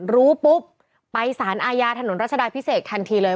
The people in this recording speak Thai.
รู้ปุ๊บไปสารอาญาถนนรัชดาพิเศษทันทีเลย